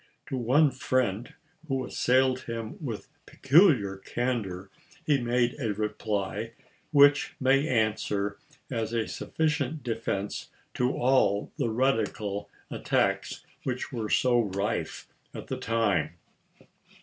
To one friend who assailed him with peculiar candor, he made a reply which may answer as a sufficient defense to all the radical attacks which were so rife at the time.